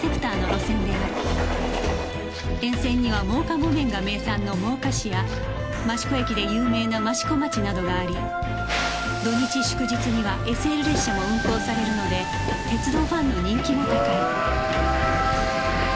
沿線には真岡木綿が名産の真岡市や益子焼で有名な益子町などがあり土日祝日には ＳＬ 列車も運行されるので鉄道ファンの人気も高い